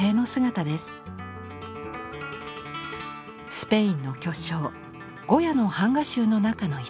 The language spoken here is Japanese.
スペインの巨匠ゴヤの版画集の中の一枚。